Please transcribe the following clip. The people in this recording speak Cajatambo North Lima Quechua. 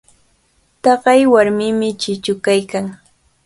Taqay warmimi chichu kaykan.